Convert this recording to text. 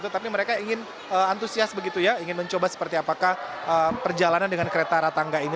tetapi mereka ingin antusias begitu ya ingin mencoba seperti apakah perjalanan dengan kereta ratangga ini